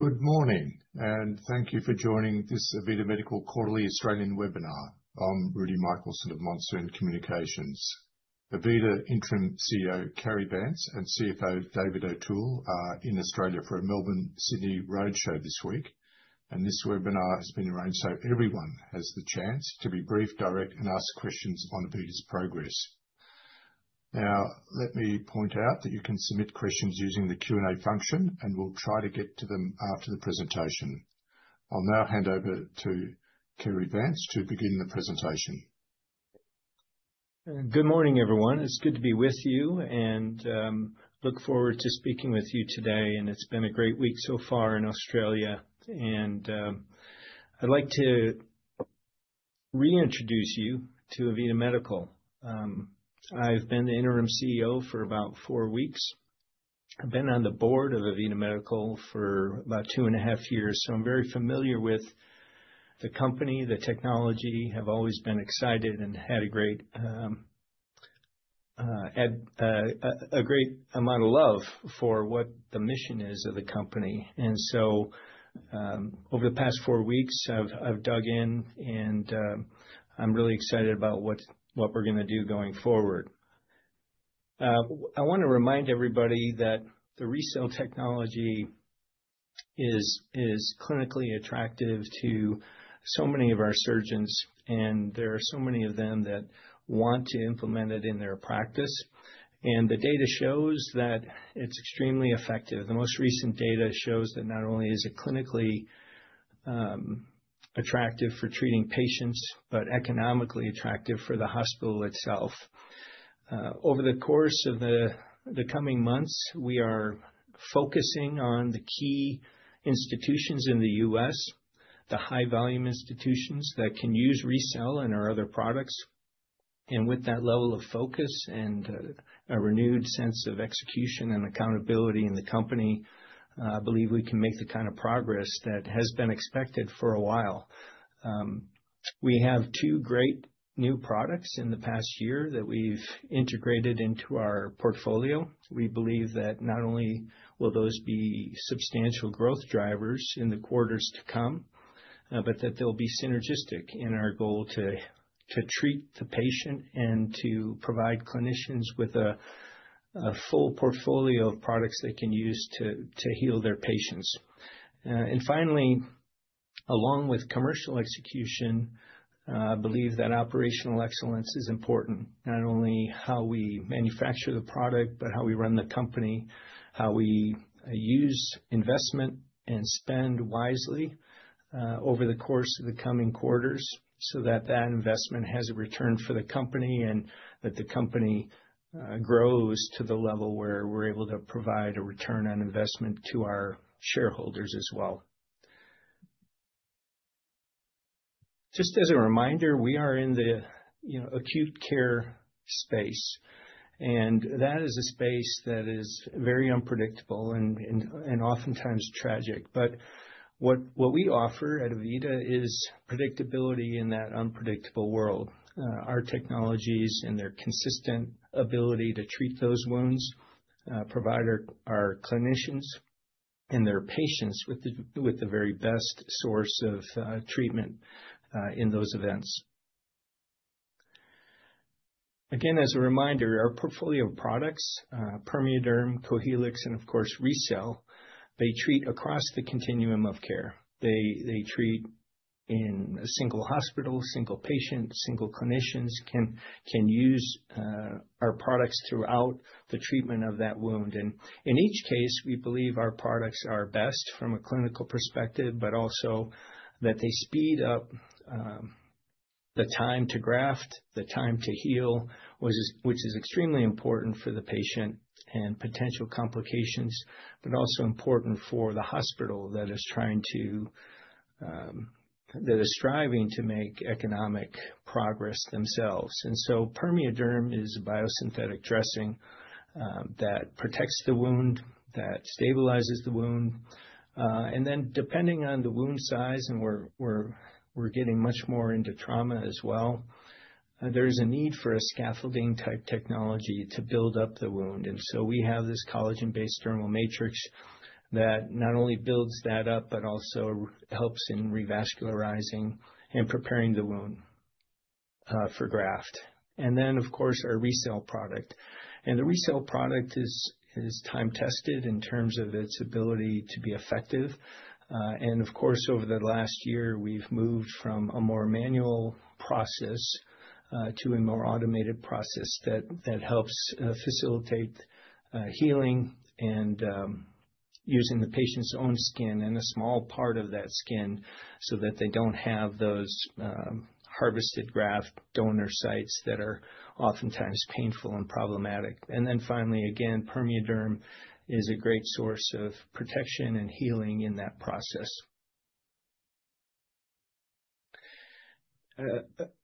Good morning, and thank you for joining this AVITA Medical Quarterly Australian webinar. I'm Rudy Michaelson of Monsoon Communications. AVITA Interim CEO Carrie Vance and CFO David O'Toole are in Australia for a Melbourne-Sydney roadshow this week, and this webinar has been arranged so everyone has the chance to be brief, direct, and ask questions on AVITA's progress. Now, let me point out that you can submit questions using the Q&A function, and we'll try to get to them after the presentation. I'll now hand over to Carrie Vance to begin the presentation. Good morning, everyone. It's good to be with you, and I look forward to speaking with you today. It's been a great week so far in Australia, and I'd like to reintroduce you to AVITA Medical. I've been the Interim CEO for about four weeks. I've been on the board of AVITA Medical for about two and a half years, so I'm very familiar with the company, the technology, and have always been excited and had a great amount of love for what the mission is of the company. Over the past four weeks, I've dug in, and I'm really excited about what we're going to do going forward. I want to remind everybody that the RECELL technology is clinically attractive to so many of our surgeons, and there are so many of them that want to implement it in their practice. The data shows that it's extremely effective. The most recent data shows that not only is it clinically attractive for treating patients, but economically attractive for the hospital itself. Over the course of the coming months, we are focusing on the key institutions in the U.S., the high-volume institutions that can use RECELL and our other products. With that level of focus and a renewed sense of execution and accountability in the company, I believe we can make the kind of progress that has been expected for a while. We have two great new products in the past year that we've integrated into our portfolio. We believe that not only will those be substantial growth drivers in the quarters to come, but that they'll be synergistic in our goal to treat the patient and to provide clinicians with a full portfolio of products they can use to heal their patients. Finally, along with commercial execution, I believe that operational excellence is important, not only how we manufacture the product, but how we run the company, how we use investment and spend wisely over the course of the coming quarters so that that investment has a return for the company and that the company grows to the level where we're able to provide a return on investment to our shareholders as well. Just as a reminder, we are in the acute care space, and that is a space that is very unpredictable and oftentimes tragic. What we offer at AVITA is predictability in that unpredictable world. Our technologies and their consistent ability to treat those wounds provide our clinicians and their patients with the very best source of treatment in those events. Again, as a reminder, our portfolio of products, PermeaDerm, Cohealyx, and of course RECELL, they treat across the continuum of care. They treat in a single hospital, single patient, single clinicians can use our products throughout the treatment of that wound. In each case, we believe our products are best from a clinical perspective, but also that they speed up the time to graft, the time to heal, which is extremely important for the patient and potential complications, but also important for the hospital that is striving to make economic progress themselves. PermeaDerm is a biosynthetic dressing that protects the wound, that stabilizes the wound. Then, depending on the wound size, and we're getting much more into trauma as well, there is a need for a scaffolding-type technology to build up the wound. We have this collagen-based dermal matrix that not only builds that up, but also helps in revascularizing and preparing the wound for graft. Of course, our RECELL product is time-tested in terms of its ability to be effective. Over the last year, we've moved from a more manual process to a more automated process that helps facilitate healing and using the patient's own skin and a small part of that skin so that they don't have those harvested graft donor sites that are oftentimes painful and problematic. Finally, again, PermeaDerm is a great source of protection and healing in that process.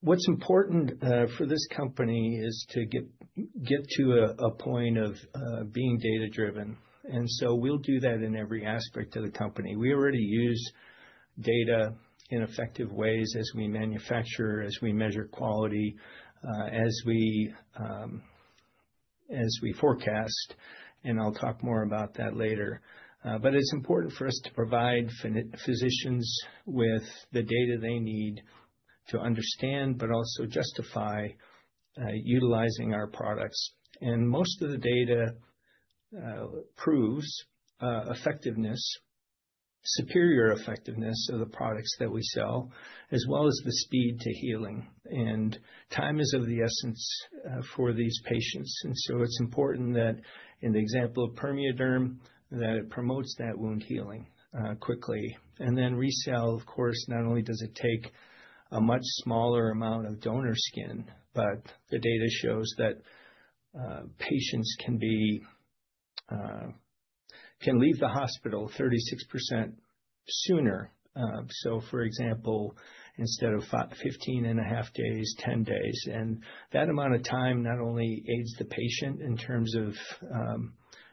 What's important for this company is to get to a point of being data-driven. We'll do that in every aspect of the company. We already use data in effective ways as we manufacture, as we measure quality, as we forecast, and I'll talk more about that later. It is important for us to provide physicians with the data they need to understand, but also justify utilizing our products. Most of the data proves superior effectiveness of the products that we sell, as well as the speed to healing. Time is of the essence for these patients. It is important that in the example of PermeaDerm, that it promotes that wound healing quickly. RECELL, of course, not only does it take a much smaller amount of donor skin, but the data shows that patients can leave the hospital 36% sooner. For example, instead of 15 and a half days, 10 days. That amount of time not only aids the patient in terms of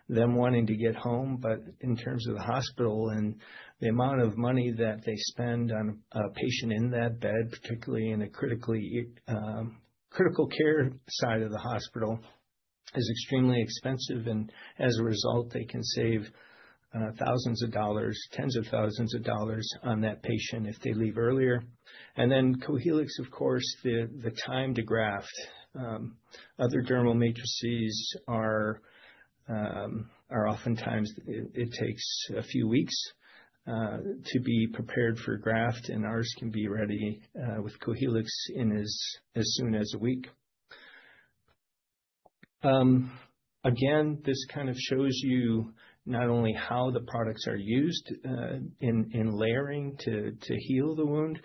them wanting to get home, but in terms of the hospital and the amount of money that they spend on a patient in that bed, particularly in the critical care side of the hospital, is extremely expensive. As a result, they can save thousands of dollars, 10s of thousands of dollars on that patient if they leave earlier. Cohealyx, of course, the time to graft. Other dermal matrices are oftentimes it takes a few weeks to be prepared for graft, and ours can be ready with Cohealyx in as soon as a week. Again, this kind of shows you not only how the products are used in layering to heal the wound,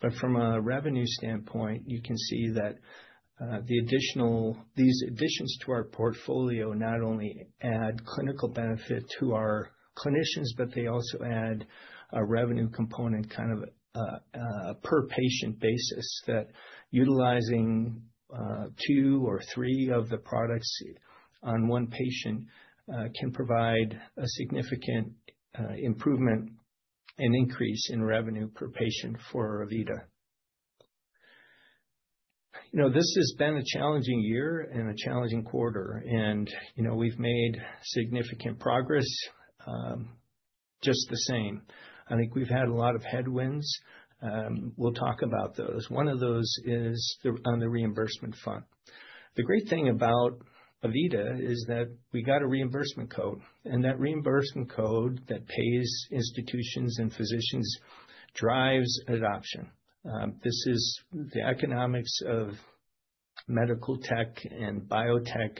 but from a revenue standpoint, you can see that these additions to our portfolio not only add clinical benefit to our clinicians, but they also add a revenue component kind of per patient basis that utilizing two or three of the products on one patient can provide a significant improvement and increase in revenue per patient for AVITA. This has been a challenging year and a challenging quarter, and we've made significant progress. Just the same, I think we've had a lot of headwinds. We'll talk about those. One of those is on the reimbursement fund. The great thing about AVITA is that we got a reimbursement code, and that reimbursement code that pays institutions and physicians drives adoption. The economics of medical tech and biotech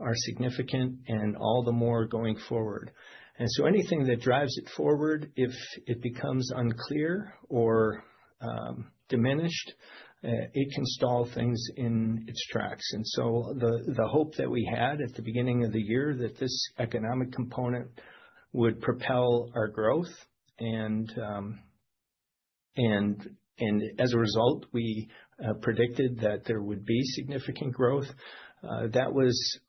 are significant and all the more going forward. Anything that drives it forward, if it becomes unclear or diminished, it can stall things in its tracks. The hope that we had at the beginning of the year that this economic component would propel our growth, and as a result, we predicted that there would be significant growth, that was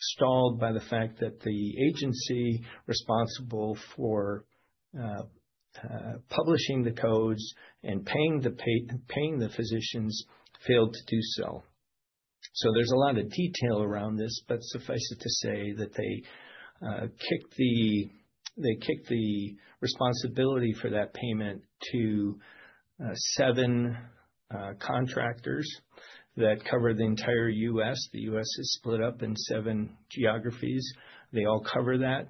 stalled by the fact that the agency responsible for publishing the codes and paying the physicians failed to do so. There is a lot of detail around this, but suffice it to say that they kicked the responsibility for that payment to seven contractors that cover the entire U.S. The U.S. is split up in seven geographies. They all cover that.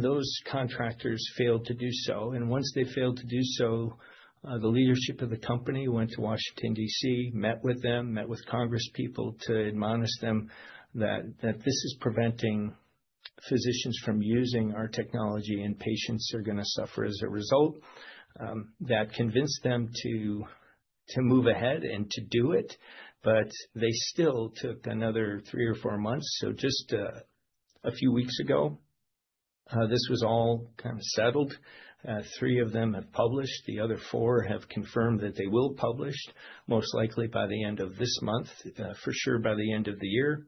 Those contractors failed to do so. Once they failed to do so, the leadership of the company went to Washington, D.C., met with them, met with Congress people to admonish them that this is preventing physicians from using our technology and patients are going to suffer as a result. That convinced them to move ahead and to do it, but they still took another three or four months. Just a few weeks ago, this was all kind of settled. Three of them have published. The other four have confirmed that they will publish most likely by the end of this month, for sure by the end of the year.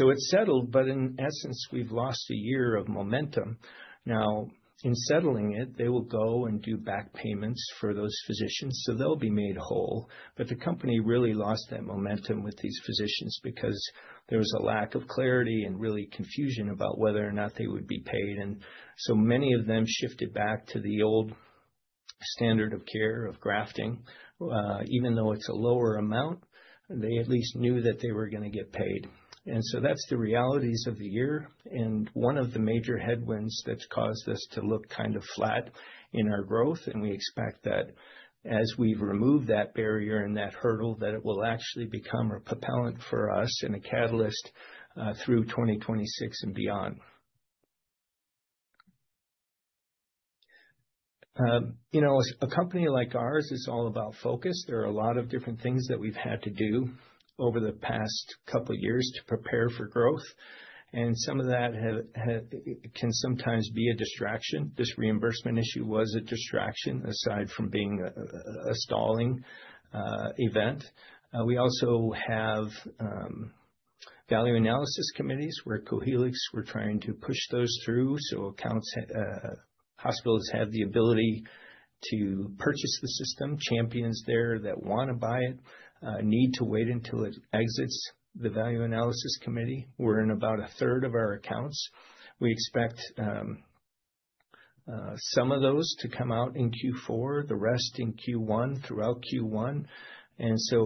It is settled, but in essence, we have lost a year of momentum. In settling it, they will go and do back payments for those physicians, so they will be made whole. The company really lost that momentum with these physicians because there was a lack of clarity and really confusion about whether or not they would be paid. Many of them shifted back to the old standard of care of grafting. Even though it is a lower amount, they at least knew that they were going to get paid. That is the reality of the year. One of the major headwinds that has caused us to look kind of flat in our growth, and we expect that as we remove that barrier and that hurdle, it will actually become a propellant for us and a catalyst through 2026 and beyond. You know, a company like ours is all about focus. There are a lot of different things that we have had to do over the past couple of years to prepare for growth. Some of that can sometimes be a distraction. This reimbursement issue was a distraction aside from being a stalling event. We also have value analysis committees where Cohealyx, we're trying to push those through. Hospitals have the ability to purchase the system. Champions there that want to buy it need to wait until it exits the value analysis committee. We're in about a third of our accounts. We expect some of those to come out in Q4, the rest in Q1, throughout Q1.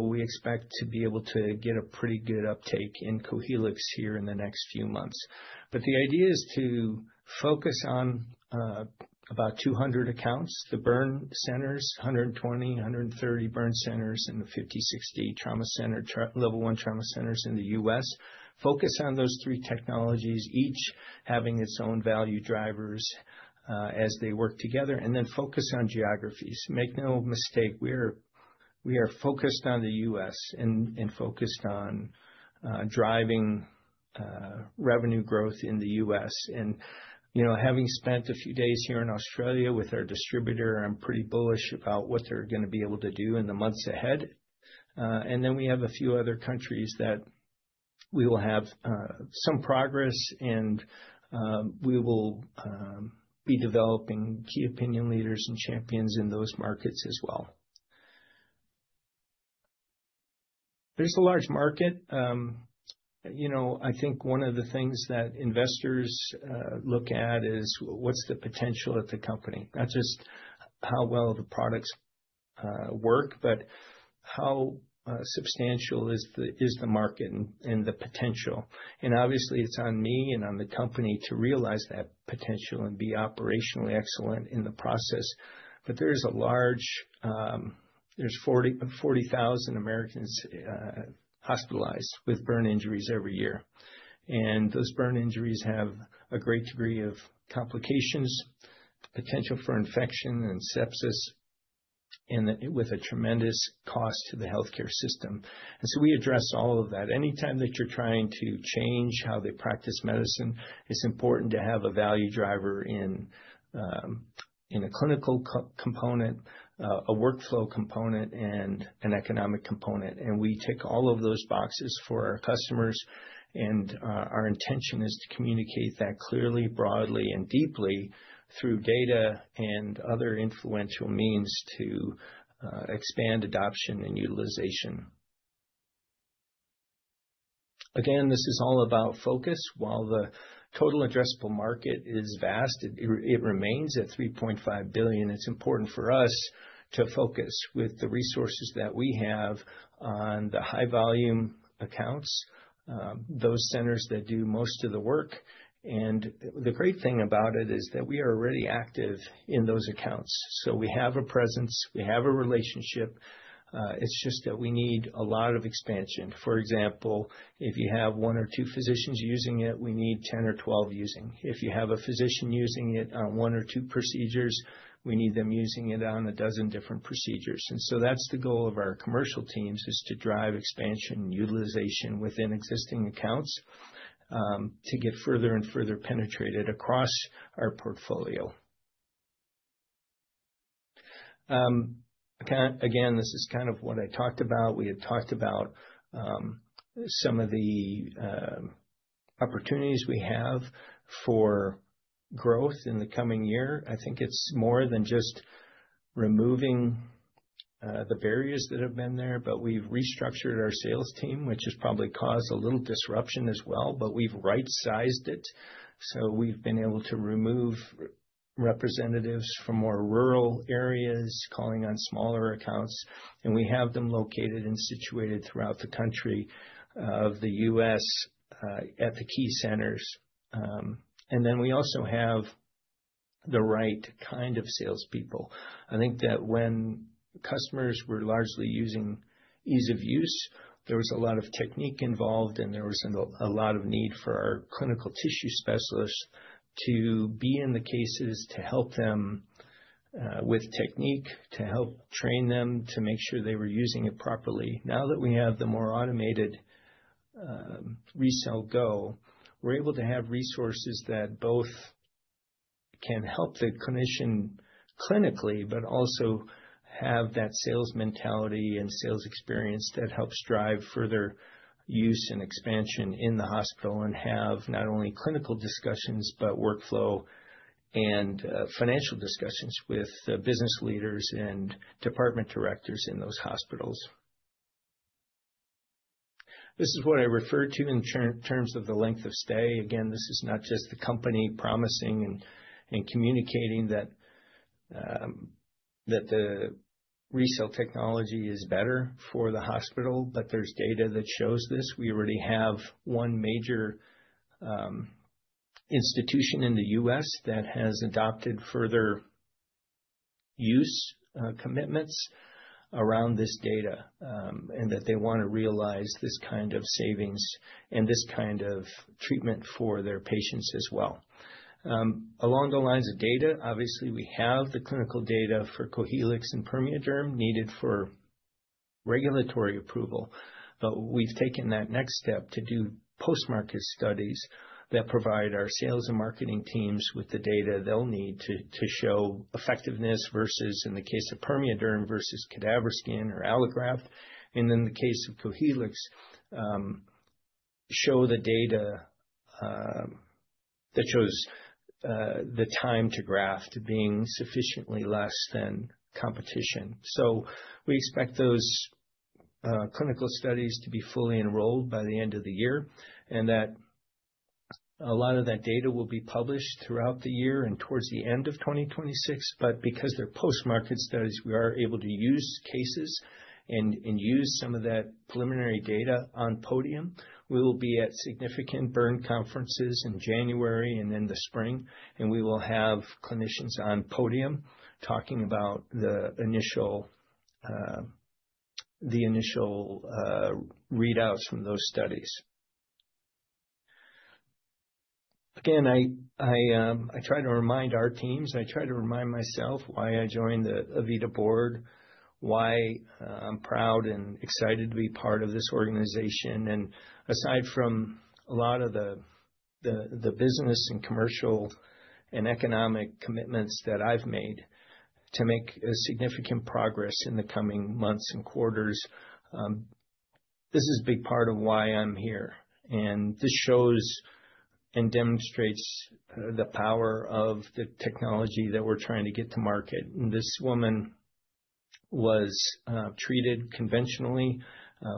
We expect to be able to get a pretty good uptake in Cohealyx here in the next few months. The idea is to focus on about 200 accounts, the burn centers, 120-130 burn centers, and the 50-60 level one trauma centers in the U.S. Focus on those three technologies, each having its own value drivers as they work together. Focus on geographies. Make no mistake, we are focused on the U.S. and focused on driving revenue growth in the U.S. Having spent a few days here in Australia with our distributor, I'm pretty bullish about what they're going to be able to do in the months ahead. We have a few other countries that we will have some progress, and we will be developing key opinion leaders and champions in those markets as well. There is a large market. You know, I think one of the things that investors look at is what's the potential at the company. Not just how well the products work, but how substantial is the market and the potential. Obviously, it's on me and on the company to realize that potential and be operationally excellent in the process. There are 40,000 Americans hospitalized with burn injuries every year. Those burn injuries have a great degree of complications, potential for infection and sepsis, and with a tremendous cost to the healthcare system. We address all of that. Anytime that you're trying to change how they practice medicine, it's important to have a value driver in a clinical component, a workflow component, and an economic component. We tick all of those boxes for our customers. Our intention is to communicate that clearly, broadly, and deeply through data and other influential means to expand adoption and utilization. Again, this is all about focus. While the total addressable market is vast, it remains at $3.5 billion. It's important for us to focus with the resources that we have on the high-volume accounts, those centers that do most of the work. The great thing about it is that we are already active in those accounts. We have a presence. We have a relationship. It's just that we need a lot of expansion. For example, if you have one or two physicians using it, we need 10 or 12 using. If you have a physician using it on one or two procedures, we need them using it on a dozen different procedures. That is the goal of our commercial teams, to drive expansion and utilization within existing accounts to get further and further penetrated across our portfolio. Again, this is kind of what I talked about. We had talked about some of the opportunities we have for growth in the coming year. I think it's more than just removing the barriers that have been there, but we've restructured our sales team, which has probably caused a little disruption as well, but we've right-sized it. We have been able to remove representatives from more rural areas, calling on smaller accounts. We have them located and situated throughout the country of the U.S. at the key centers. We also have the right kind of salespeople. I think that when customers were largely using ease of use, there was a lot of technique involved, and there was a lot of need for our clinical tissue specialists to be in the cases to help them with technique, to help train them to make sure they were using it properly. Now that we have the more automated RECELL Go, we're able to have resources that both can help the clinician clinically, but also have that sales mentality and sales experience that helps drive further use and expansion in the hospital and have not only clinical discussions, but workflow and financial discussions with business leaders and department directors in those hospitals. This is what I refer to in terms of the length of stay. Again, this is not just the company promising and communicating that the RECELL technology is better for the hospital, but there's data that shows this. We already have one major institution in the U.S. that has adopted further use commitments around this data and that they want to realize this kind of savings and this kind of treatment for their patients as well. Along the lines of data, obviously, we have the clinical data for Cohealyx and PermeaDerm needed for regulatory approval, but we've taken that next step to do post-market studies that provide our sales and marketing teams with the data they'll need to show effectiveness versus, in the case of PermeaDerm versus cadaver skin or allograft. In the case of Cohealyx, show the data that shows the time to graft being sufficiently less than competition. We expect those clinical studies to be fully enrolled by the end of the year and that a lot of that data will be published throughout the year and towards the end of 2026. Because they're post-market studies, we are able to use cases and use some of that preliminary data on Podium. We will be at significant burn conferences in January and in the spring, and we will have clinicians on podium talking about the initial readouts from those studies. Again, I try to remind our teams. I try to remind myself why I joined the AVITA Board, why I'm proud and excited to be part of this organization. Aside from a lot of the business and commercial and economic commitments that I've made to make significant progress in the coming months and quarters, this is a big part of why I'm here. This shows and demonstrates the power of the technology that we're trying to get to market. This woman was treated conventionally,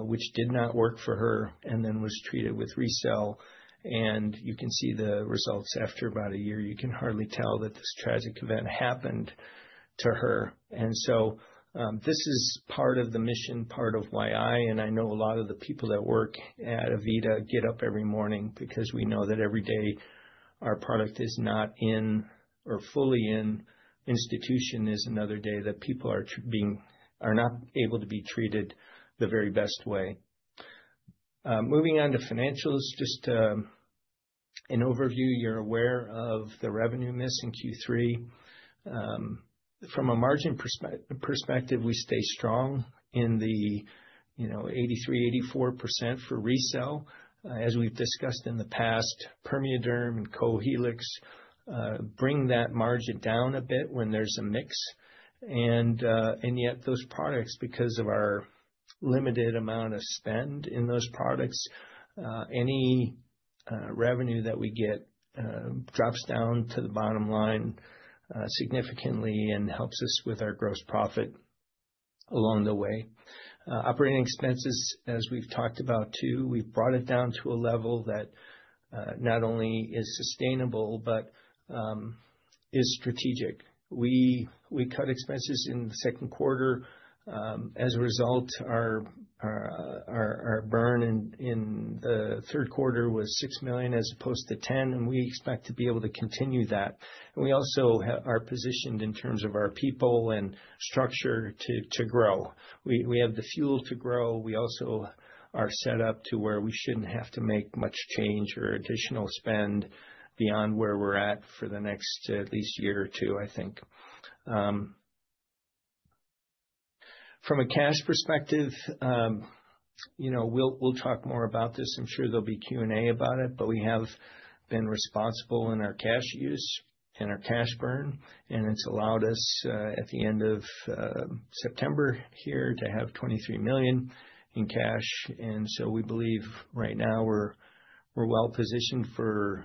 which did not work for her, and then was treated with RECELL. You can see the results after about a year. You can hardly tell that this tragic event happened to her. This is part of the mission, part of why I, and I know a lot of the people that work at AVITA, get up every morning because we know that every day our product is not in or fully in institution is another day that people are not able to be treated the very best way. Moving on to financials, just an overview. You're aware of the revenue miss in Q3. From a margin perspective, we stay strong in the 83%-84% for RECELL. As we've discussed in the past, PermeaDerm and Cohealyx bring that margin down a bit when there's a mix. Yet, those products, because of our limited amount of spend in those products, any revenue that we get drops down to the bottom line significantly and helps us with our gross profit along the way. Operating expenses, as we've talked about too, we've brought it down to a level that not only is sustainable, but is strategic. We cut expenses in the second quarter. As a result, our burn in the third quarter was $6 million as opposed to $10 million, and we expect to be able to continue that. We also are positioned in terms of our people and structure to grow. We have the fuel to grow. We also are set up to where we shouldn't have to make much change or additional spend beyond where we're at for the next at least year or two, I think. From a cash perspective, we'll talk more about this. I'm sure there'll be Q&A about it, but we have been responsible in our cash use and our cash burn. It's allowed us at the end of September here to have $23 million in cash. We believe right now we're well positioned for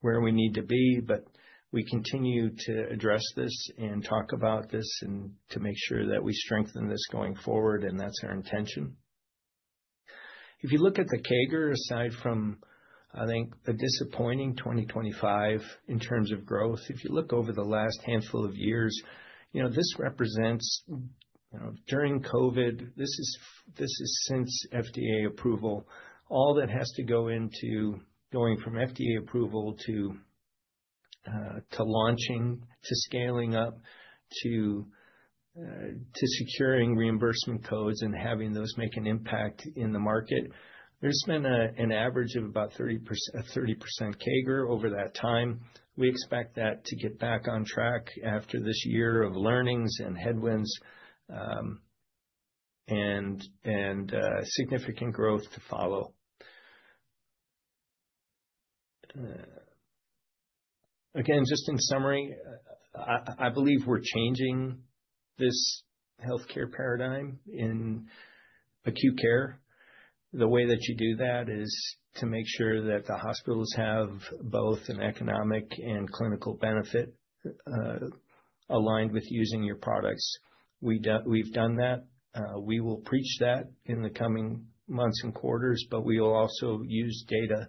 where we need to be, but we continue to address this and talk about this and to make sure that we strengthen this going forward, and that's our intention. If you look at the CAGR, aside from, I think, a disappointing 2025 in terms of growth, if you look over the last handful of years, this represents during COVID, this is since FDA approval, all that has to go into going from FDA approval to launching, to scaling up, to securing reimbursement codes and having those make an impact in the market. There's been an average of about 30% CAGR over that time. We expect that to get back on track after this year of learnings and headwinds and significant growth to follow. Again, just in summary, I believe we're changing this healthcare paradigm in acute care. The way that you do that is to make sure that the hospitals have both an economic and clinical benefit aligned with using your products. We've done that. We will preach that in the coming months and quarters, but we will also use data to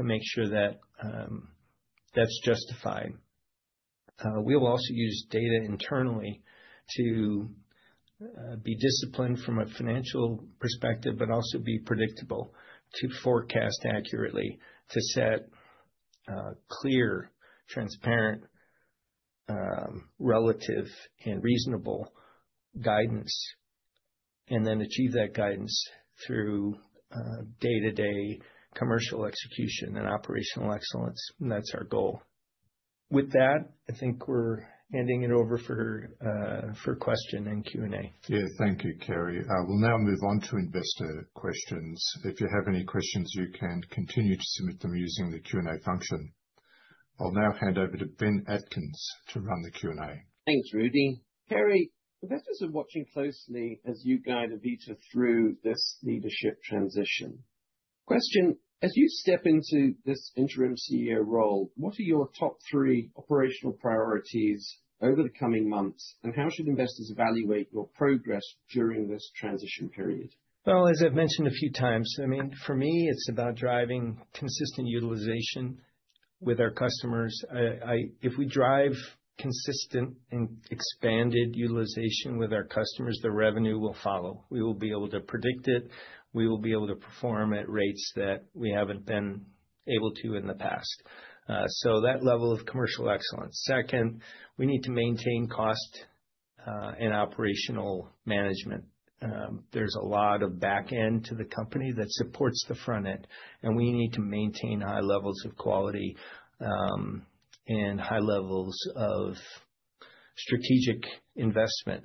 make sure that that's justified. We will also use data internally to be disciplined from a financial perspective, but also be predictable to forecast accurately, to set clear, transparent, relative, and reasonable guidance, and then achieve that guidance through day-to-day commercial execution and operational excellence. That is our goal. With that, I think we're handing it over for question and Q&A. Yeah, thank you, Carrie. We will now move on to investor questions. If you have any questions, you can continue to submit them using the Q&A function. I'll now hand over to Ben Atkins to run the Q&A. Thanks, Rudy. Cary, investors are watching closely as you guide AVITA through this leadership transition. Question, as you step into this interim CEO role, what are your top three operational priorities over the coming months, and how should investors evaluate your progress during this transition period? As I've mentioned a few times, I mean, for me, it's about driving consistent utilization with our customers. If we drive consistent and expanded utilization with our customers, the revenue will follow. We will be able to predict it. We will be able to perform at rates that we haven't been able to in the past. That level of commercial excellence. Second, we need to maintain cost and operational management. is a lot of backend to the company that supports the front end, and we need to maintain high levels of quality and high levels of strategic investment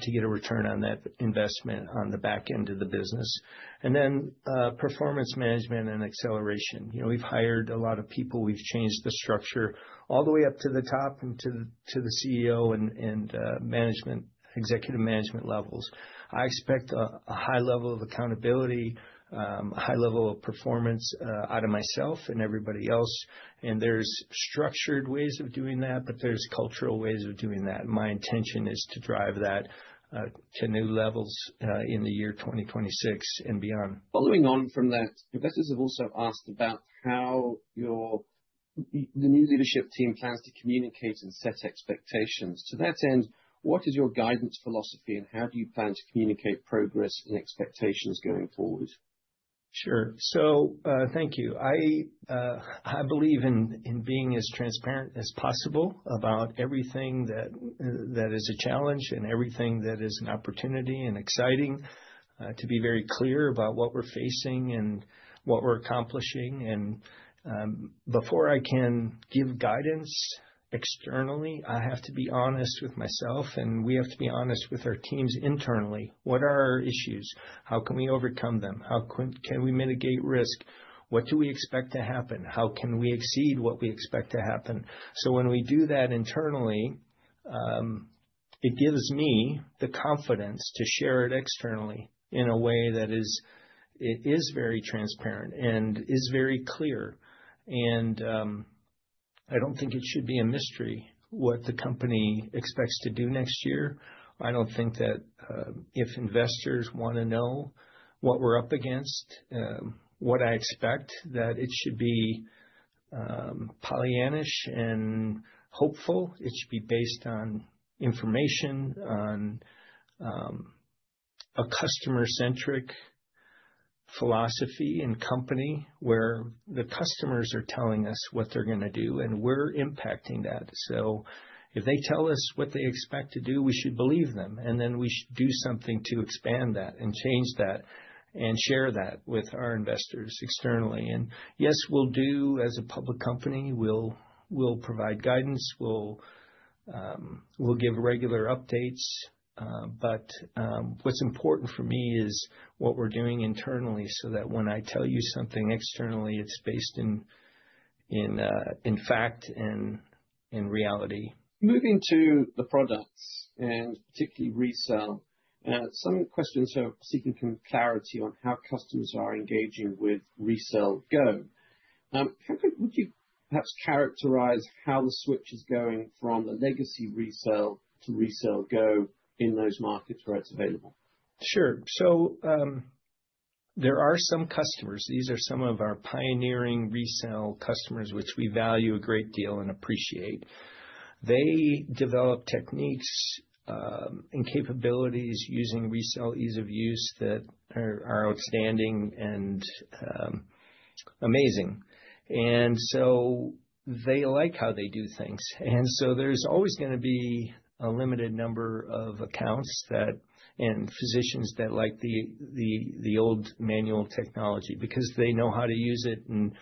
to get a return on that investment on the backend of the business. Then performance management and acceleration. We have hired a lot of people. We have changed the structure all the way up to the top and to the CEO and executive management levels. I expect a high level of accountability, a high level of performance out of myself and everybody else. There are structured ways of doing that, but there are cultural ways of doing that. My intention is to drive that to new levels in the year 2026 and beyond. Following on from that, investors have also asked about how the new leadership team plans to communicate and set expectations. To that end, what is your guidance philosophy, and how do you plan to communicate progress and expectations going forward? Sure. Thank you. I believe in being as transparent as possible about everything that is a challenge and everything that is an opportunity and exciting, to be very clear about what we're facing and what we're accomplishing. Before I can give guidance externally, I have to be honest with myself, and we have to be honest with our teams internally. What are our issues? How can we overcome them? How can we mitigate risk? What do we expect to happen? How can we exceed what we expect to happen? When we do that internally, it gives me the confidence to share it externally in a way that is very transparent and is very clear. I don't think it should be a mystery what the company expects to do next year. I don't think that if investors want to know what we're up against, what I expect, that it should be pollyannaish and hopeful. It should be based on information, on a customer-centric philosophy and company where the customers are telling us what they're going to do, and we're impacting that. If they tell us what they expect to do, we should believe them, and then we should do something to expand that and change that and share that with our investors externally. Yes, we'll do as a public company. We'll provide guidance. We'll give regular updates. What's important for me is what we're doing internally so that when I tell you something externally, it's based in fact and in reality. Moving to the products and particularly RECELL. Some questions are seeking some clarity on how customers are engaging with RECELL Go. How would you perhaps characterize how the switch is going from the legacy RECELL to RECELL Go in those markets where it's available? Sure. There are some customers. These are some of our pioneering RECELL customers, which we value a great deal and appreciate. They develop techniques and capabilities using RECELL ease of use that are outstanding and amazing. They like how they do things. There is always going to be a limited number of accounts and physicians that like the old manual technology because they know how to use it and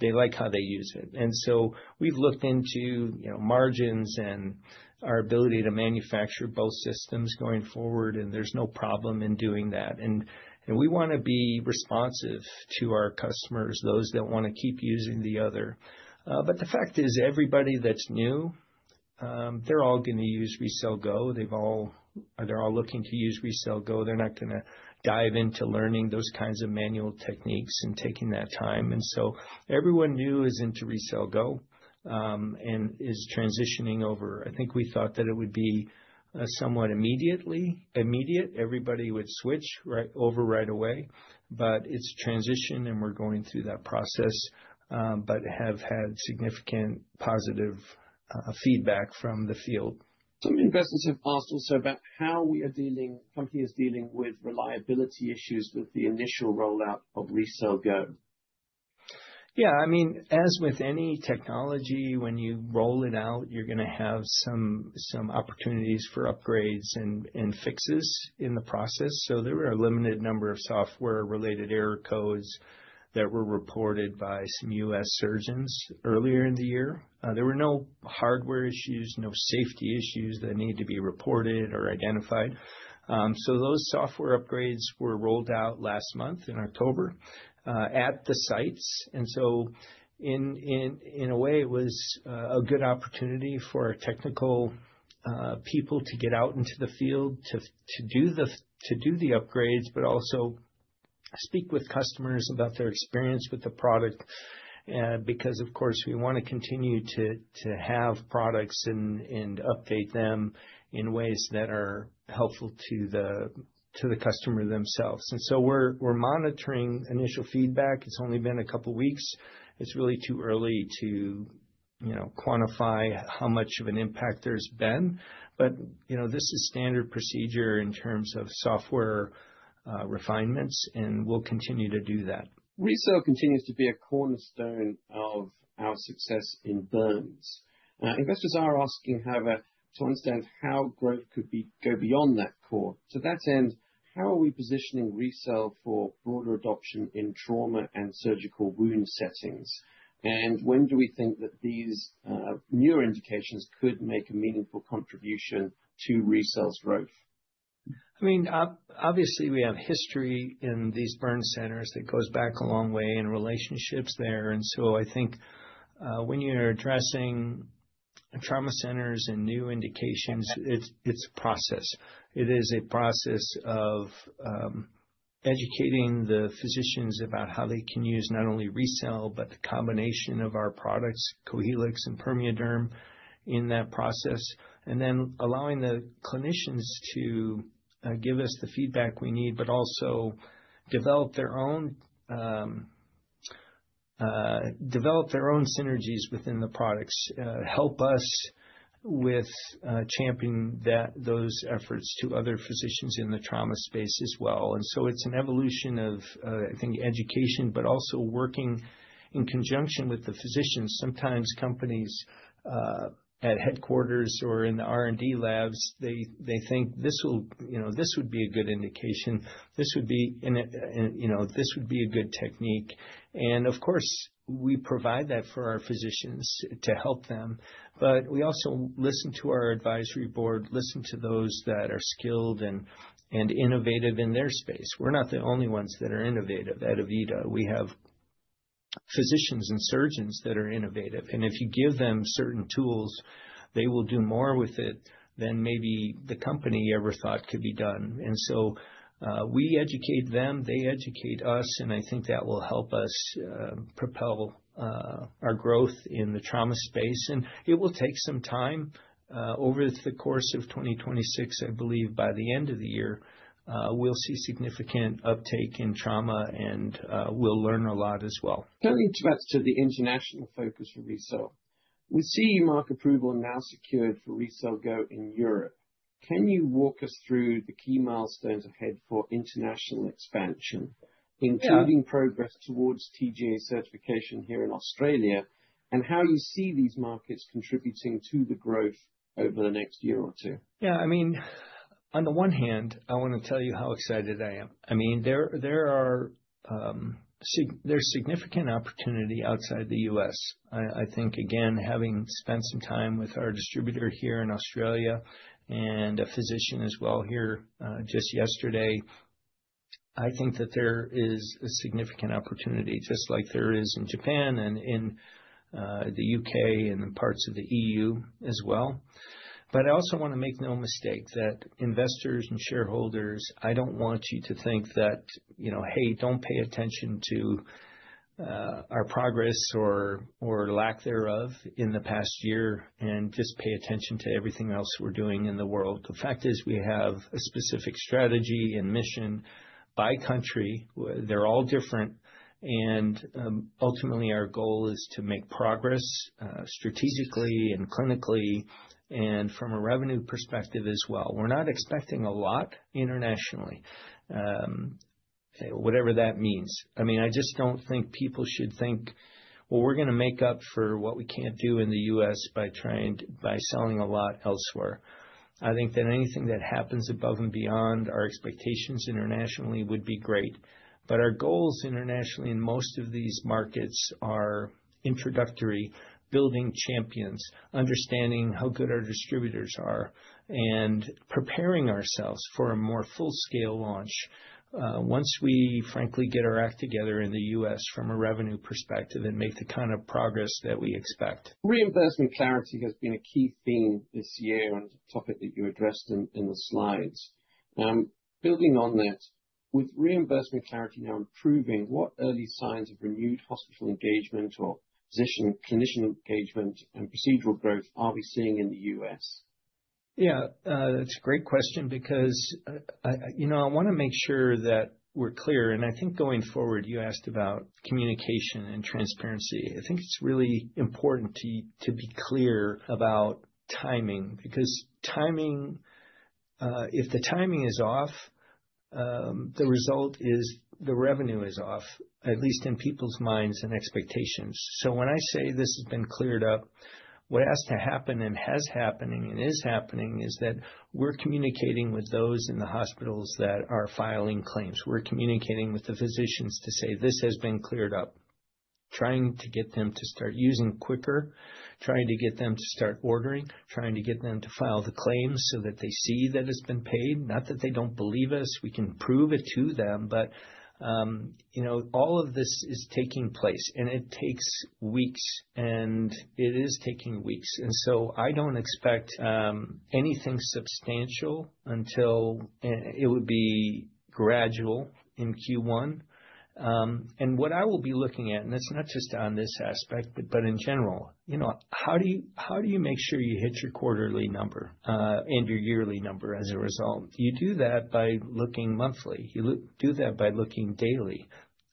they like how they use it. We have looked into margins and our ability to manufacture both systems going forward, and there is no problem in doing that. We want to be responsive to our customers, those that want to keep using the other. The fact is, everybody that's new, they're all going to use RECELL Go. They're all looking to use RECELL Go. They're not going to dive into learning those kinds of manual techniques and taking that time. Everyone new is into RECELL Go and is transitioning over. I think we thought that it would be somewhat immediate. Everybody would switch over right away, but it's a transition, and we're going through that process, but have had significant positive feedback from the field. Some investors have asked also about how we are dealing, companies dealing with reliability issues with the initial rollout of RECELL Go. Yeah. I mean, as with any technology, when you roll it out, you're going to have some opportunities for upgrades and fixes in the process. There were a limited number of software-related error codes that were reported by some U.S. surgeons earlier in the year. There were no hardware issues, no safety issues that need to be reported or identified. Those software upgrades were rolled out last month in October at the sites. In a way, it was a good opportunity for our technical people to get out into the field to do the upgrades, but also speak with customers about their experience with the product because, of course, we want to continue to have products and update them in ways that are helpful to the customer themselves. We're monitoring initial feedback. It's only been a couple of weeks. It's really too early to quantify how much of an impact there's been. This is standard procedure in terms of software refinements, and we'll continue to do that. RECELL continues to be a cornerstone of our success in burns. Investors are asking, however, to understand how growth could go beyond that core. To that end, how are we positioning RECELL for broader adoption in trauma and surgical wound settings? When do we think that these newer indications could make a meaningful contribution to RECELL's growth? I mean, obviously, we have history in these burn centers that goes back a long way and relationships there. I think when you're addressing trauma centers and new indications, it's a process. It is a process of educating the physicians about how they can use not only RECELL, but the combination of our products, Cohealyx and PermeaDerm in that process, and then allowing the clinicians to give us the feedback we need, but also develop their own synergies within the products, help us with championing those efforts to other physicians in the trauma space as well. It is an evolution of, I think, education, but also working in conjunction with the physicians. Sometimes companies at headquarters or in the R&D labs, they think, "This would be a good indication. This would be a good technique." Of course, we provide that for our physicians to help them. We also listen to our advisory board, listen to those that are skilled and innovative in their space. We're not the only ones that are innovative at AVITA. We have physicians and surgeons that are innovative. If you give them certain tools, they will do more with it than maybe the company ever thought could be done. We educate them. They educate us. I think that will help us propel our growth in the trauma space. It will take some time. Over the course of 2026, I believe by the end of the year, we'll see significant uptake in trauma, and we'll learn a lot as well. Can we interrupt to the international focus for RECELL? We see EU mark approval now secured for RECELL Go in Europe. Can you walk us through the key milestones ahead for international expansion, including progress towards TGA certification here in Australia, and how you see these markets contributing to the growth over the next year or two? Yeah. I mean, on the one hand, I want to tell you how excited I am. I mean, there's significant opportunity outside the U.S. I think, again, having spent some time with our distributor here in Australia and a physician as well here just yesterday, I think that there is a significant opportunity, just like there is in Japan and in the U.K. and in parts of the EU as well. I also want to make no mistake that investors and shareholders, I don't want you to think that, "Hey, don't pay attention to our progress or lack thereof in the past year and just pay attention to everything else we're doing in the world." The fact is we have a specific strategy and mission by country. They're all different. Ultimately, our goal is to make progress strategically and clinically and from a revenue perspective as well. We're not expecting a lot internationally, whatever that means. I mean, I just don't think people should think, "Well, we're going to make up for what we can't do in the U.S. by selling a lot elsewhere." I think that anything that happens above and beyond our expectations internationally would be great. But our goals internationally in most of these markets are introductory, building champions, understanding how good our distributors are, and preparing ourselves for a more full-scale launch once we, frankly, get our act together in the U.S. from a revenue perspective and make the kind of progress that we expect. Reimbursement clarity has been a key theme this year and a topic that you addressed in the slides. Building on that, with reimbursement clarity now improving, what early signs of renewed hospital engagement or physician-clinician engagement and procedural growth are we seeing in the U.S.? Yeah. It's a great question because I want to make sure that we're clear. I think going forward, you asked about communication and transparency. I think it's really important to be clear about timing because if the timing is off, the result is the revenue is off, at least in people's minds and expectations. When I say this has been cleared up, what has to happen and has happened and is happening is that we're communicating with those in the hospitals that are filing claims. We're communicating with the physicians to say, "This has been cleared up," trying to get them to start using quicker, trying to get them to start ordering, trying to get them to file the claims so that they see that it's been paid. Not that they don't believe us. We can prove it to them. All of this is taking place, and it takes weeks, and it is taking weeks. I do not expect anything substantial until it would be gradual in Q1. What I will be looking at, and it is not just on this aspect, but in general, how do you make sure you hit your quarterly number and your yearly number as a result? You do that by looking monthly. You do that by looking daily.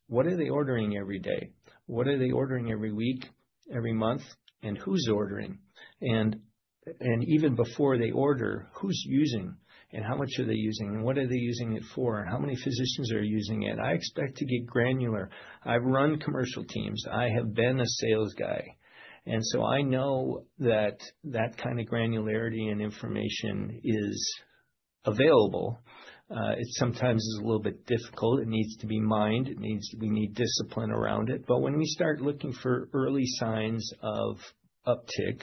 What are they ordering every day? What are they ordering every week, every month, and who is ordering? Even before they order, who is using and how much are they using and what are they using it for and how many physicians are using it? I expect to get granular. I have run commercial teams. I have been a sales guy. I know that that kind of granularity and information is available. It sometimes is a little bit difficult. It needs to be mined. We need discipline around it. When we start looking for early signs of uptick,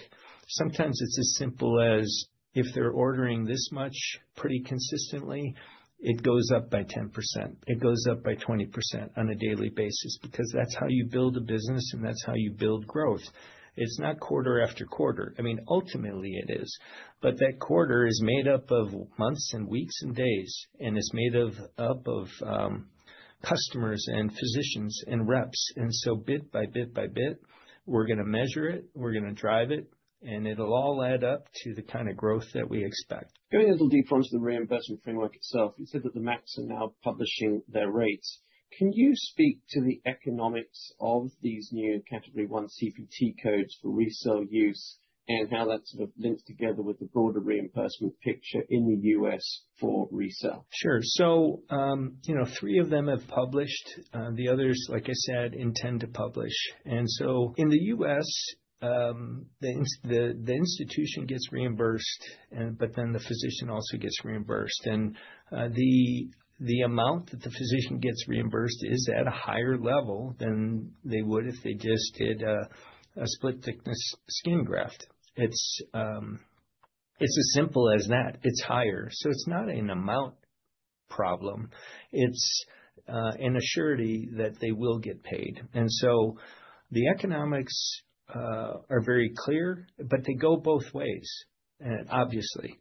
sometimes it's as simple as if they're ordering this much pretty consistently, it goes up by 10%. It goes up by 20% on a daily basis because that's how you build a business, and that's how you build growth. It's not quarter after quarter. I mean, ultimately, it is. That quarter is made up of months and weeks and days, and it's made up of customers and physicians and reps. Bit by bit by bit, we're going to measure it. We're going to drive it, and it'll all add up to the kind of growth that we expect. Going a little deeper onto the reimbursement framework itself, you said that the MATs are now publishing their rates. Can you speak to the economics of these new category one CPT codes for RECELL use and how that's sort of linked together with the broader reimbursement picture in the U.S. for RECELL? Sure. Three of them have published. The others, like I said, intend to publish. In the U.S., the institution gets reimbursed, but then the physician also gets reimbursed. The amount that the physician gets reimbursed is at a higher level than they would if they just did a split-thickness skin graft. It's as simple as that. It's higher. It's not an amount problem. It's an assurity that they will get paid. The economics are very clear, but they go both ways, obviously.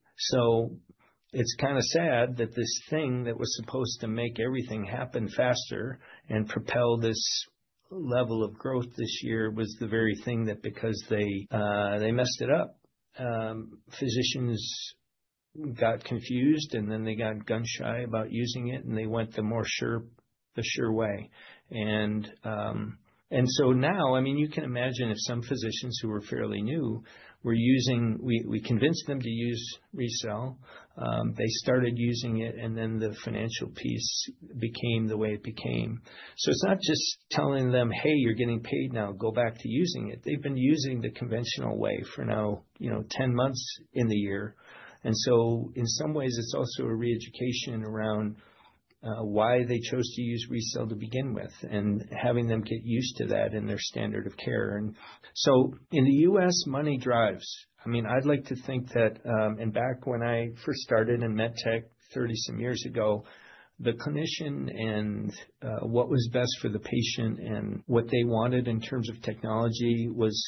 It's kind of sad that this thing that was supposed to make everything happen faster and propel this level of growth this year was the very thing that, because they messed it up, physicians got confused, and then they got gun-shy about using it, and they went the more sure way. I mean, you can imagine if some physicians who were fairly new were using, we convinced them to use RECELL. They started using it, and then the financial piece became the way it became. It's not just telling them, "Hey, you're getting paid now. Go back to using it." They've been using the conventional way for now 10 months in the year. In some ways, it's also a re-education around why they chose to use RECELL to begin with and having them get used to that in their standard of care. In the U.S., money drives. I mean, I'd like to think that back when I first started in med tech 30-some years ago, the clinician and what was best for the patient and what they wanted in terms of technology was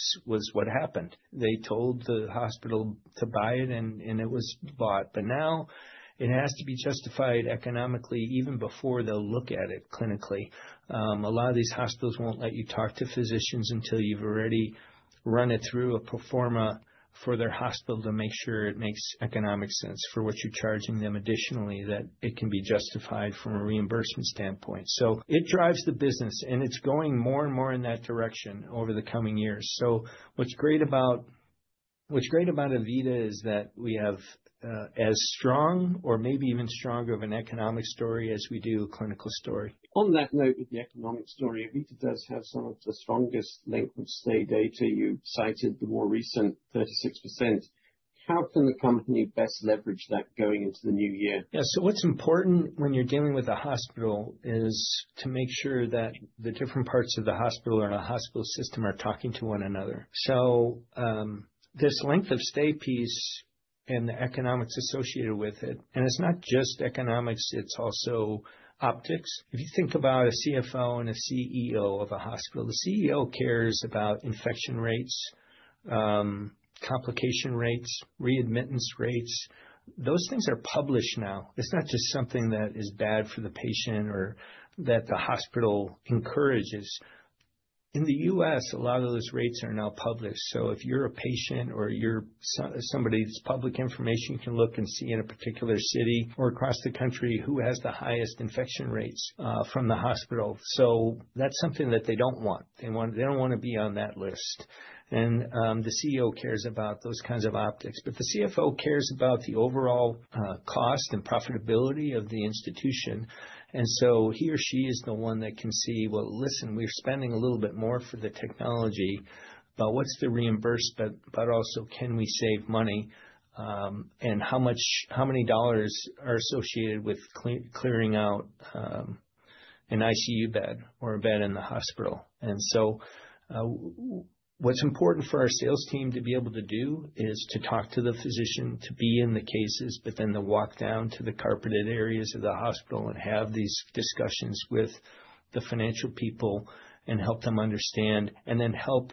what happened. They told the hospital to buy it, and it was bought. Now it has to be justified economically even before they'll look at it clinically. A lot of these hospitals won't let you talk to physicians until you've already run it through a pro forma for their hospital to make sure it makes economic sense for what you're charging them additionally, that it can be justified from a reimbursement standpoint. It drives the business, and it's going more and more in that direction over the coming years. What's great about AVITA is that we have as strong or maybe even stronger of an economic story as we do a clinical story. On that note with the economic story, AVITA does have some of the strongest length of stay data. You cited the more recent 36%. How can the company best leverage that going into the new year? Yeah. What's important when you're dealing with a hospital is to make sure that the different parts of the hospital or the hospital system are talking to one another. This length of stay piece and the economics associated with it, and it's not just economics. It's also optics. If you think about a CFO and a CEO of a hospital, the CEO cares about infection rates, complication rates, readmittance rates. Those things are published now. It's not just something that is bad for the patient or that the hospital encourages. In the U.S., a lot of those rates are now published. If you're a patient or you're somebody's public information, you can look and see in a particular city or across the country who has the highest infection rates from the hospital. That's something that they don't want. They don't want to be on that list. The CEO cares about those kinds of optics, but the CFO cares about the overall cost and profitability of the institution. He or she is the one that can see, "Well, listen, we're spending a little bit more for the technology, but what's the reimbursement? Also, can we save money? How many dollars are associated with clearing out an ICU bed or a bed in the hospital? What's important for our sales team to be able to do is to talk to the physician, to be in the cases, but then to walk down to the carpeted areas of the hospital and have these discussions with the financial people and help them understand and then help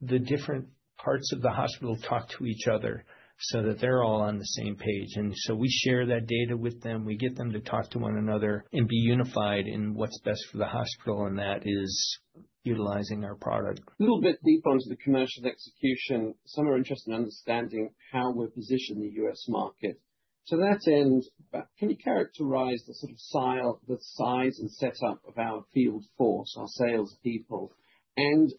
the different parts of the hospital talk to each other so that they're all on the same page. We share that data with them. We get them to talk to one another and be unified in what's best for the hospital, and that is utilizing our product. A little bit deeper onto the commercial execution, some are interested in understanding how we're positioned in the U.S. market. To that end, can you characterize the sort of size and setup of our field force, our salespeople, and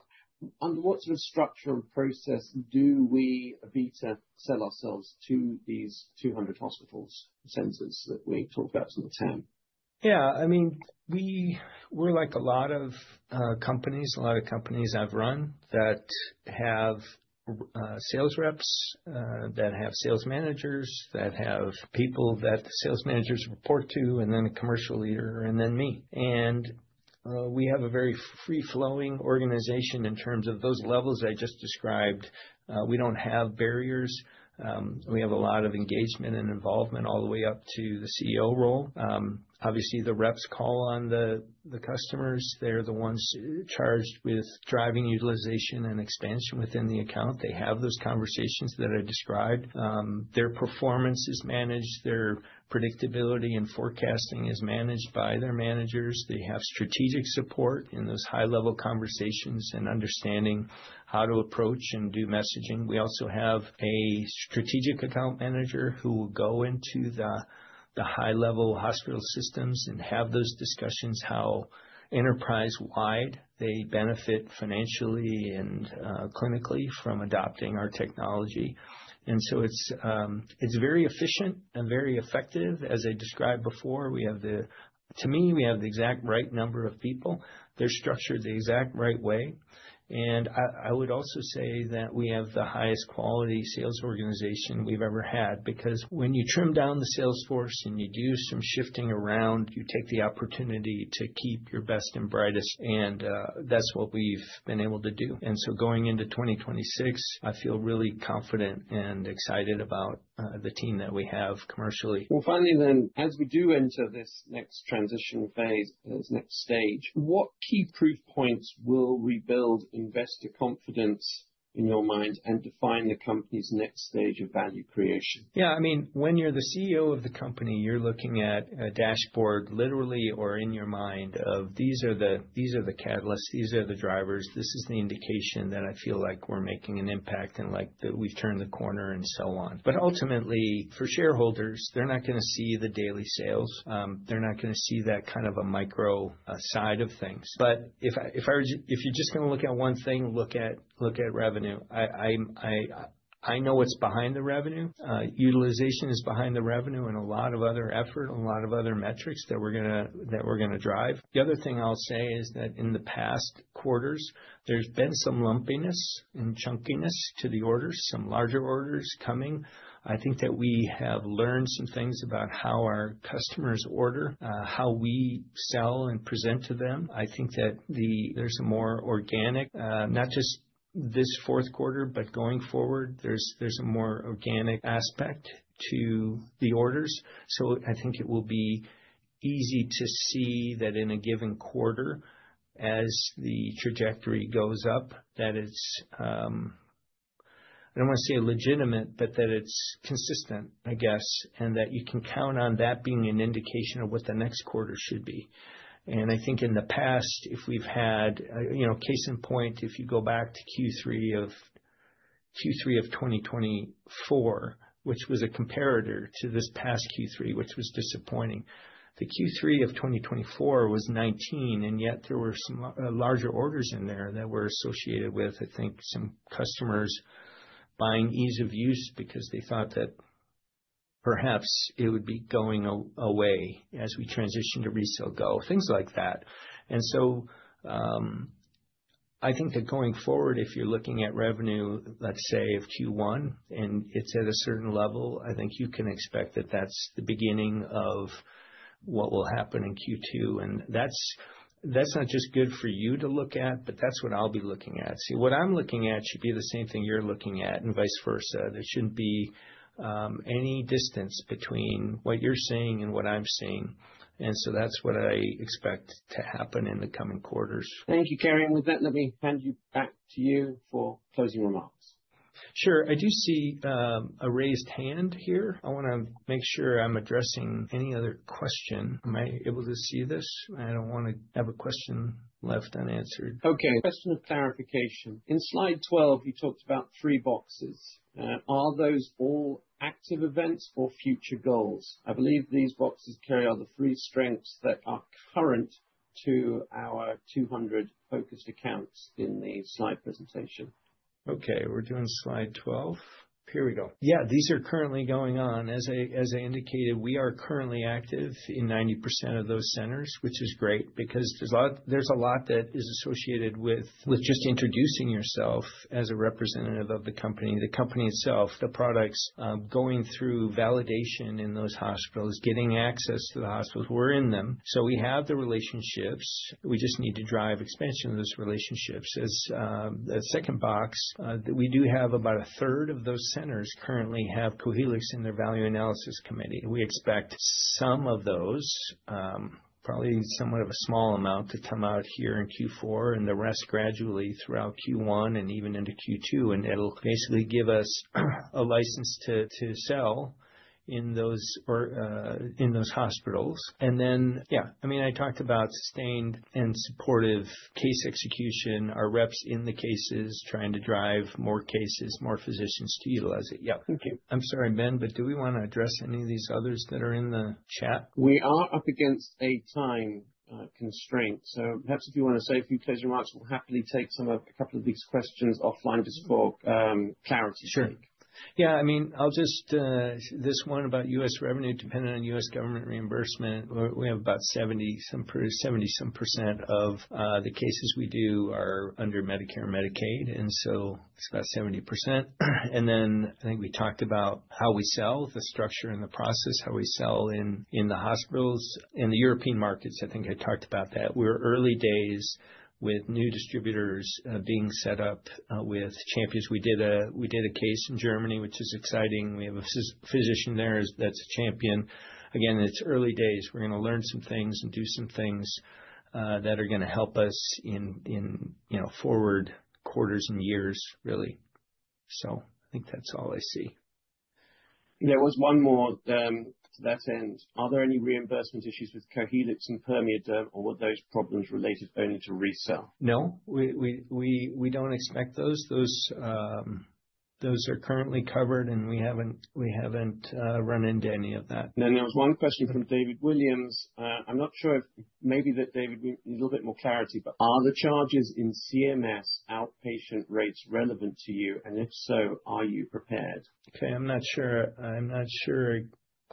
under what sort of structure and process do we, AVITA, sell ourselves to these 200 hospitals and centers that we talked about in the TAM? Yeah. I mean, we're like a lot of companies, a lot of companies I've run that have sales reps, that have sales managers, that have people that the sales managers report to, and then a commercial leader, and then me. We have a very free-flowing organization in terms of those levels I just described. We don't have barriers. We have a lot of engagement and involvement all the way up to the CEO role. Obviously, the reps call on the customers. They're the ones charged with driving utilization and expansion within the account. They have those conversations that I described. Their performance is managed. Their predictability and forecasting is managed by their managers. They have strategic support in those high-level conversations and understanding how to approach and do messaging. We also have a strategic account manager who will go into the high-level hospital systems and have those discussions how enterprise-wide they benefit financially and clinically from adopting our technology. It is very efficient and very effective. As I described before, to me, we have the exact right number of people. They are structured the exact right way. I would also say that we have the highest quality sales organization we have ever had because when you trim down the salesforce and you do some shifting around, you take the opportunity to keep your best and brightest, and that is what we have been able to do. Going into 2026, I feel really confident and excited about the team that we have commercially. Finally, then, as we do enter this next transition phase, this next stage, what key proof points will rebuild investor confidence in your mind and define the company's next stage of value creation? Yeah. I mean, when you're the CEO of the company, you're looking at a dashboard, literally or in your mind, of, "These are the catalysts. These are the drivers. This is the indication that I feel like we're making an impact and like that we've turned the corner and so on." Ultimately, for shareholders, they're not going to see the daily sales. They're not going to see that kind of a micro side of things. If you're just going to look at one thing, look at revenue. I know what's behind the revenue. Utilization is behind the revenue and a lot of other effort and a lot of other metrics that we're going to drive. The other thing I'll say is that in the past quarters, there's been some lumpiness and chunkiness to the orders, some larger orders coming. I think that we have learned some things about how our customers order, how we sell and present to them. I think that there's a more organic, not just this fourth quarter, but going forward, there's a more organic aspect to the orders. I think it will be easy to see that in a given quarter, as the trajectory goes up, that it's—I don't want to say legitimate, but that it's consistent, I guess, and that you can count on that being an indication of what the next quarter should be. I think in the past, if we've had, case in point, if you go back to Q3 of 2024, which was a comparator to this past Q3, which was disappointing, the Q3 of 2024 was 19, and yet there were some larger orders in there that were associated with, I think, some customers buying ease of use because they thought that perhaps it would be going away as we transition to RECELL Go, things like that. I think that going forward, if you're looking at revenue, let's say, of Q1, and it's at a certain level, I think you can expect that that's the beginning of what will happen in Q2. That's not just good for you to look at, but that's what I'll be looking at. See, what I'm looking at should be the same thing you're looking at and vice versa. There should not be any distance between what you are seeing and what I am seeing. That is what I expect to happen in the coming quarters. Thank you, Kerry. With that, let me hand back to you for closing remarks. Sure. I do see a raised hand here. I want to make sure I am addressing any other question. Am I able to see this? I do not want to have a question left unanswered. Okay. Question of clarification. In slide 12, you talked about three boxes. Are those all active events or future goals? I believe these boxes carry on the three strengths that are current to our 200 focused accounts in the slide presentation. Okay. We are doing slide 12. Here we go. Yeah. These are currently going on. As I indicated, we are currently active in 90% of those centers, which is great because there's a lot that is associated with just introducing yourself as a representative of the company, the company itself, the products, going through validation in those hospitals, getting access to the hospitals. We're in them. We have the relationships. We just need to drive expansion of those relationships. As a second box, we do have about a third of those centers currently have Cohealyx in their value analysis committee. We expect some of those, probably somewhat of a small amount, to come out here in Q4 and the rest gradually throughout Q1 and even into Q2. It'll basically give us a license to sell in those hospitals. Yeah, I mean, I talked about sustained and supportive case execution, our reps in the cases trying to drive more cases, more physicians to utilize it. Thank you. I'm sorry, Ben, but do we want to address any of these others that are in the chat? We are up against a time constraint. Perhaps if you want to say a few closing remarks, we'll happily take some of a couple of these questions offline just for clarity. Sure. I'll just—this one about U.S. revenue dependent on U.S. government reimbursement. We have about 70-some percent of the cases we do are under Medicare and Medicaid. It's about 70%. I think we talked about how we sell, the structure and the process, how we sell in the hospitals. In the European markets, I think I talked about that. We're early days with new distributors being set up with champions. We did a case in Germany, which is exciting. We have a physician there that's a champion. Again, it's early days. We're going to learn some things and do some things that are going to help us in forward quarters and years, really. I think that's all I see. There was one more to that end. Are there any reimbursement issues with Cohealyx and PermeaDerm or were those problems related only to RECELL? No. We don't expect those. Those are currently covered, and we haven't run into any of that. There was one question from David Williams. I'm not sure if maybe that David, a little bit more clarity, but are the charges in CMS outpatient rates relevant to you? And if so, are you prepared? Okay. I'm not sure. I'm not sure I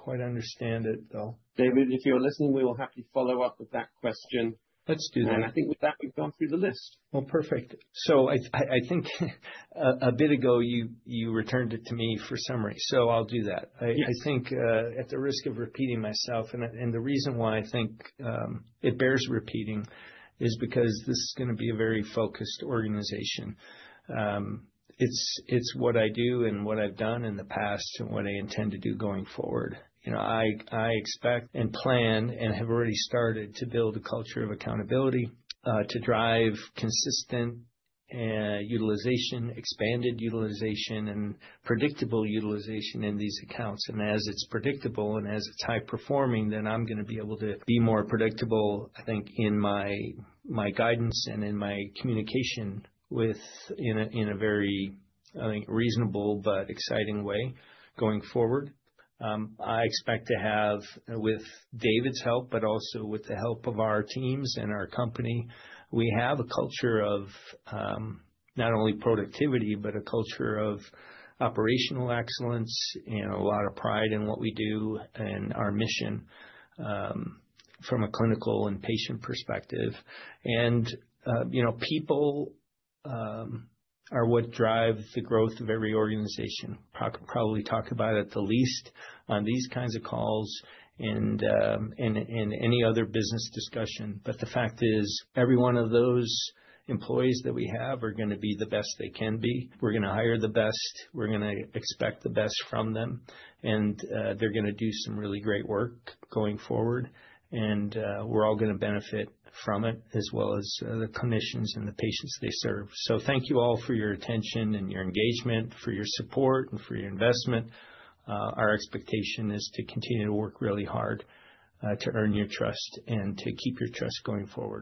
quite understand it, though. David, if you're listening, we will happily follow up with that question. Let's do that. I think with that, we've gone through the list. Perfect. I think a bit ago, you returned it to me for summary. I'll do that. I think at the risk of repeating myself, and the reason why I think it bears repeating is because this is going to be a very focused organization. It's what I do and what I've done in the past and what I intend to do going forward. I expect and plan and have already started to build a culture of accountability to drive consistent utilization, expanded utilization, and predictable utilization in these accounts. As it's predictable and as it's high-performing, then I'm going to be able to be more predictable, I think, in my guidance and in my communication in a very, I think, reasonable but exciting way going forward. I expect to have, with David's help, but also with the help of our teams and our company, we have a culture of not only productivity, but a culture of operational excellence and a lot of pride in what we do and our mission from a clinical and patient perspective. People are what drive the growth of every organization, probably talk about at the least on these kinds of calls and in any other business discussion. The fact is, every one of those employees that we have are going to be the best they can be. We're going to hire the best. We're going to expect the best from them. They are going to do some really great work going forward. We are all going to benefit from it as well as the clinicians and the patients they serve. Thank you all for your attention and your engagement, for your support and for your investment. Our expectation is to continue to work really hard to earn your trust and to keep your trust going forward.